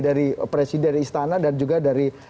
dari presiden istana dan juga dari